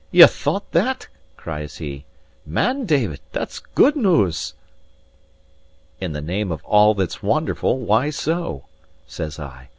"Ye thought that?" cries he. "Man, David, that's good news." "In the name of all that's wonderful, why so?" says I.